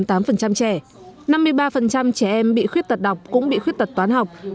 năm mươi ba trẻ em bị khuyết tật đọc cũng bị khuyết tật toán học